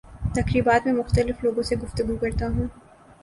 تقریبات میں مختلف لوگوں سے گفتگو کرتا ہوں